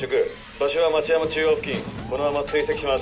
場所は町山中央付近このまま追跡します。